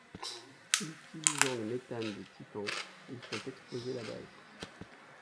Utilisant le méthane de Titan, ils font exploser la base.